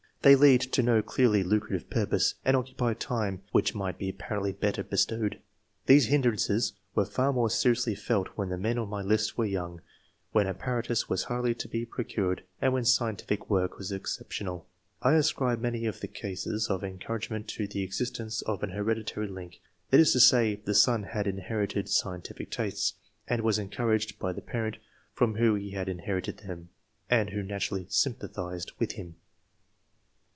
They lead to no clearly lucrative purpose, and occupy time which might be apparently better bestowed. These hindrances were far more seriously felt when the men on my list were young, when apparatus was hardly to be procured, and when scientific work was exceptional. I ascribe many of the cases of encouragement to the existence of an hereditajy link; that is to say, the son had inherited scientific tastes, and was encouraged by the parent from whom he had inherited them, and who naturally sympathized with him.